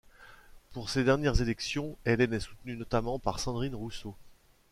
Pour ces dernières élections, Hélène est soutenue notamment par Sandrine Rousseau.